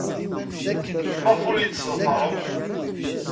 Maɣef ur iyi-d-tettḍafaremt?